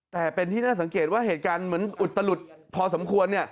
แต่เป็นที่น่าสังเกตว่าเหตุการณ์เหมือนอุตลุดพอสมควร